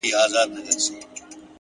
لوړ فکر د نوښتونو سرچینه ده,